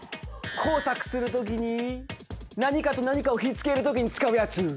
工作するときに何かと何かをひっつけるときに使うやつ。